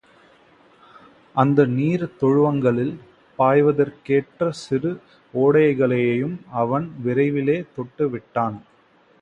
அந்த நீர் தொழுவங்களில் பாய்வதற்கேற்ற சிறு ஓடைகளையும் அவன் விரைவிலே தொட்டுவிட்டான்.